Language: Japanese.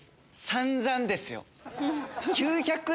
散々ですよ。